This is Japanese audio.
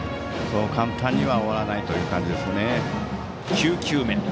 そう簡単には終わらないという感じですね。